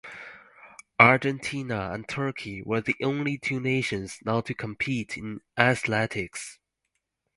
Argentina and Turkey were the only two nations not to compete in athletics.